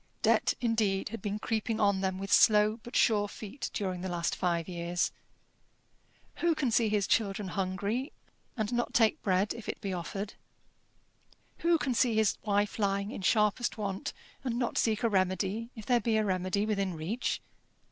Debt, indeed, had been creeping on them with slow but sure feet during the last five years. Who can see his children hungry, and not take bread if it be offered? Who can see his wife lying in sharpest want, and not seek a remedy if there be a remedy within reach?